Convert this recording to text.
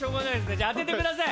じゃあ当ててください。